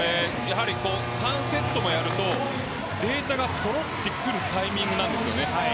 ３セットもやるとデータがそろってくるタイミングなんですよね。